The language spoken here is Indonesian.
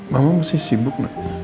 mama masih sibuk